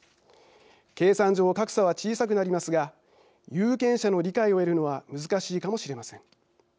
計算上、格差は小さくなりますが有権者の理解を得るのは難しいかもしれません。